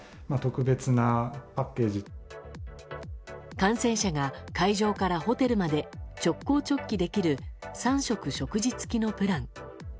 観戦者が会場からホテルまで直行直帰できる３食食事付きのプラン。